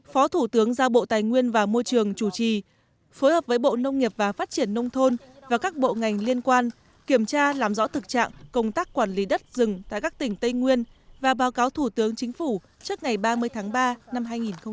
phó thủ tướng giao bộ tài nguyên và môi trường chủ trì phối hợp với bộ nông nghiệp và phát triển nông thôn và các bộ ngành liên quan kiểm tra làm rõ thực trạng công tác quản lý đất rừng tại các tỉnh tây nguyên và báo cáo thủ tướng chính phủ trước ngày ba mươi tháng ba năm hai nghìn hai mươi